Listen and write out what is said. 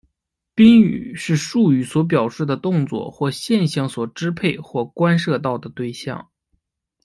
宾语是述语所表示的动作或现象所支配或关涉到的对象。